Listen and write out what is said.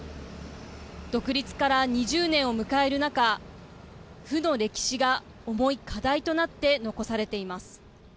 独立から２０年を迎える中負の歴史が重い課題となって残されています。